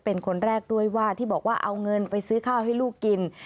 เป็นคนแรกด้วยว่าที่บอกว่าเอาเงินไปซื้อข้าวให้ลูกกิน